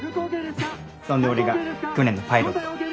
そんで俺が去年のパイロット。